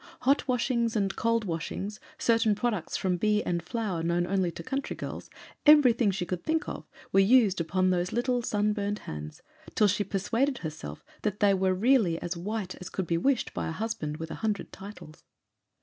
Hot washings and cold washings, certain products from bee and flower known only to country girls, everything she could think of, were used upon those little sunburnt hands, till she persuaded herself that they were really as white as could be wished by a husband with a hundred titles.